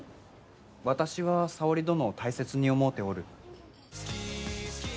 私は沙織殿を大切に思うておる。